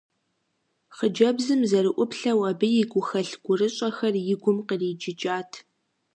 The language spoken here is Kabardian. Хъыджэбзым зэрыӏуплъэу, абы и гухэлъ-гурыщӏэхэр и гум къриджыкӏат.